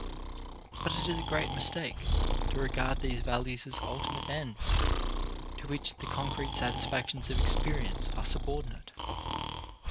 But it is a great mistake to regard these values as ultimate ends to which the concrete satisfactions of experience are subordinate.